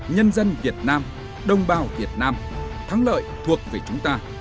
nhân dân việt nam đồng bào việt nam thắng lợi thuộc về chúng ta